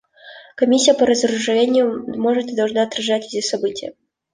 Комиссия по разоружению может и должна отражать эти события.